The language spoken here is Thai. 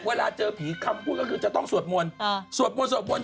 เวลาเจอผีคำพูดก็คือจะต้องสวดมนตร์